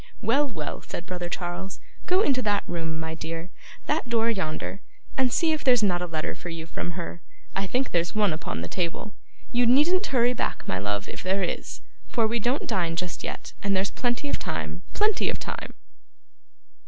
'Well, well,' said brother Charles, 'go into that room, my dear that door yonder and see if there's not a letter for you from her. I think there's one upon the table. You needn't hurry back, my love, if there is, for we don't dine just yet, and there's plenty of time. Plenty of time.